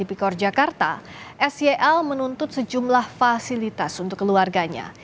tipikor jakarta sel menuntut sejumlah fasilitas untuk keluarganya